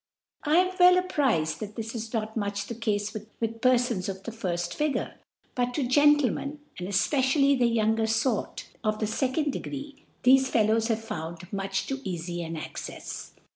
I am weH apprized that this is not much the Cafe with Perfons of the firft Figure 5 bqt to Gentlemen (and efpecially the youn < get Sort) of the kcond Degree, thcfe Fel lows have found much too eafy' an Accefs.